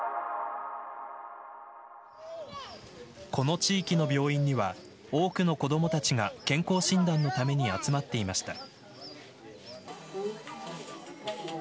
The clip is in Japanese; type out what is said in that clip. この地域の病院には多くの子どもたちが健康診断のために集まっていました。